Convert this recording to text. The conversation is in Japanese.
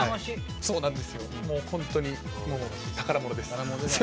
本当に宝物です。